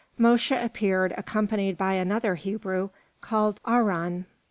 Mosche appeared, accompanied by another Hebrew, called Aharon.